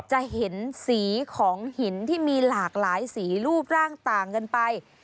จะเห็นสีของหินที่มีหลากหลายสีรูปร่างต่างกันไป